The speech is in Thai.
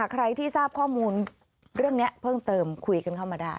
ใครที่ทราบข้อมูลเรื่องนี้เพิ่มเติมคุยกันเข้ามาได้